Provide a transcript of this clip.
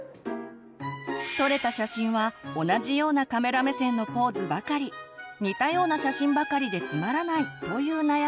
撮れた写真は同じようなカメラ目線のポーズばかり似たような写真ばかりでつまらないという悩みも。